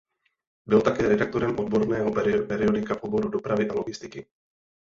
Byl také redaktorem odborného periodika v oboru dopravy a logistiky.